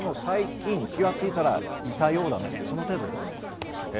ですが最近気が付いたら、いたようだねという、その程度です。